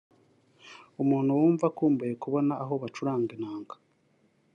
"Umuntu wumva akumbuye kubona aho bacuranga inanga